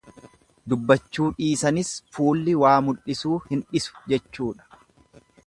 Dubbachuu dhiisanis fuulli waa mul'isuu hin dhisu jechuudha.